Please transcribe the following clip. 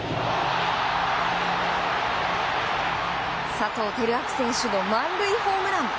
佐藤輝明選手の満塁ホームラン！